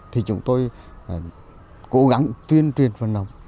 thì chúng tôi cố gắng tuyên truyền phần nông